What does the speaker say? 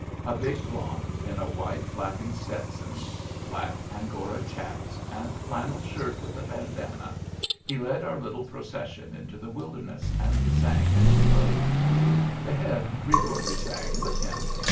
A big blond in a wide flapping Stetson, black Angora chaps, and flannel shirt with a bandana, he led our little procession into the wilderness and sang as he rode. The Head frequently sang with him.